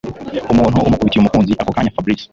umuntu umukubitiye umukunzi ako kanya Fabric